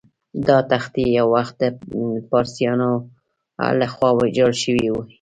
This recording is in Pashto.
دا تختې یو وخت د پارسیانو له خوا ویجاړ شوې وې.